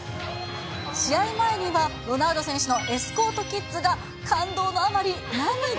試合前には、ロナウド選手のエスコートキッズが、感動のあまり涙。